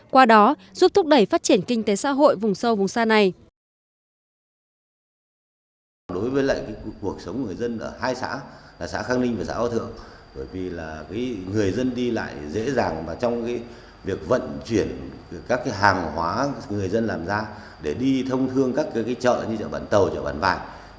qua đó giúp thúc đẩy phát triển kinh tế xã hội vùng sâu vùng sa này